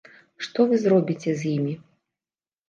Што вы зробіце з імі?